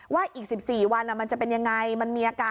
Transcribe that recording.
ว่าอีก๑๔วันมันจะเป็นยังไง